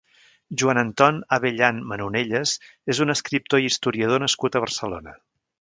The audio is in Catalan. Joan Anton Abellán Manonellas és un escriptor i historiador nascut a Barcelona.